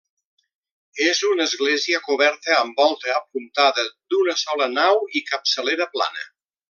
És una església coberta amb volta apuntada, d'una sola nau i capçalera plana.